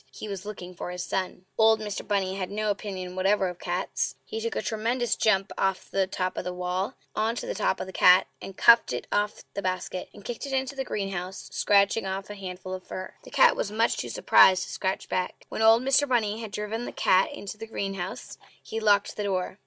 He was looking for his son. Old Mr. Bunny had no opinion whatever of cats. He took a tremendous jump off the top of the wall on to the top of the cat, and cuffed it off the basket, and kicked it into the greenhouse, scratching off a handful of fur. The cat was too much surprised to scratch back. When old Mr. Bunny had driven the cat into the greenhouse, he locked the door.